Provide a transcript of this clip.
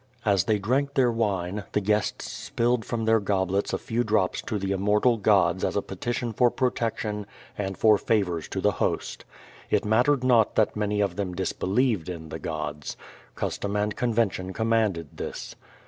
As they drank their wine, the guests spilled from their goblets a few drops to the immortal gods as a petition for protection and for favors to the host. It mattered not that many of them disbelieved in the gods. Custom and conven tion commanded this.